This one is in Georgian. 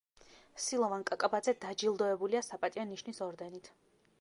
სილოვან კაკაბაძე დაჯილდოებულია „საპატიო ნიშნის“ ორდენით.